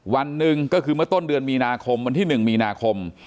วันหนึ่งก็คือเมื่อต้นเดือนมีนาคมวันที่๑มีนาคม